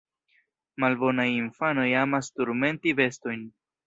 Malbonaj infanoj amas turmenti bestojn.